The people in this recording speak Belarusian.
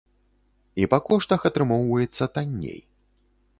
І па коштах атрымоўваецца танней.